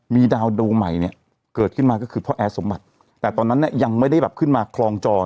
มีดาวโดใหม่เนี่ยเกิดขึ้นมาก็คือพ่อแอร์สมบัติแต่ตอนนั้นเนี่ยยังไม่ได้แบบขึ้นมาคลองจอ